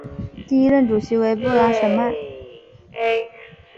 第一任主席为布拉什曼。